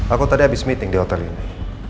aku tadi habis meeting di hotel ini